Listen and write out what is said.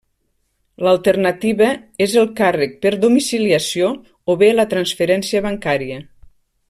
L'alternativa és el càrrec per domiciliació o bé la transferència bancària.